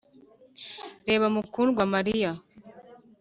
reba mukundwa mariya.